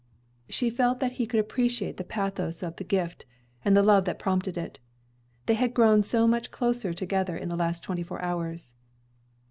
She felt that he could appreciate the pathos of the gift, and the love that prompted it. They had grown so much closer together in the last twenty four hours.